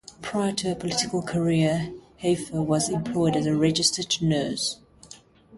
Prior to her political career, Hafer was employed as a registered nurse.